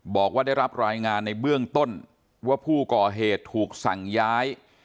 บอกว่าได้รับรายงานในเบื้องต้นว่าผู้ก่อเหตุถูกสั่งย้าย